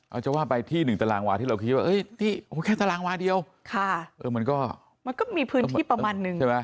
เอาจะว่าไปที่๑ตารางวาที่เราคิดว่านี่แค่ตารางวาเดียวมันก็มีพื้นที่ประมาณนึง